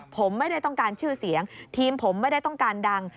ผมไม่ได้ต้องการชื่อเสียงทีมผมไม่ได้ต้องการดัง